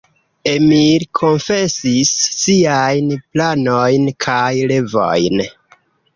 Emil konfesis siajn planojn kaj revojn.